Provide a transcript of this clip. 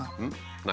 何？